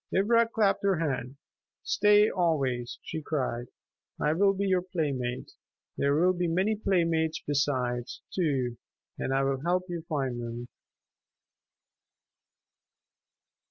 Ivra clapped her hands. "Stay always," she cried. "I will be your playmate. There will be many playmates besides, too, and I will help you find them."